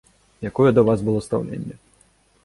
Якое да вас было стаўленне?